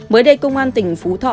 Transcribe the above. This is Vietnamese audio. mới đây công an tỉnh phú thọ